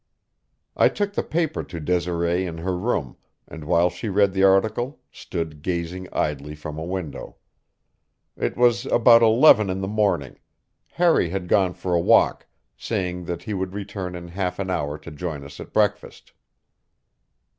I took the paper to Desiree in her room, and while she read the article stood gazing idly from a window. It was about eleven in the morning; Harry had gone for a walk, saying that he would return in half an hour to join us at breakfast.